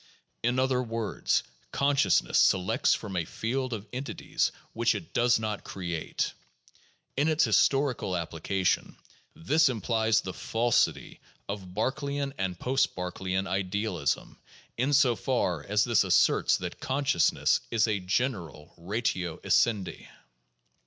In other words, con sciousness selects from a field of entities which it does not create. In its historical application, this implies the falsity of Berkeleyan and post Berkeleyan idealism in so far as this asserts that conscious ness is a general ratio essendi.